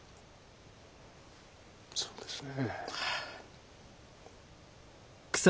そうですね。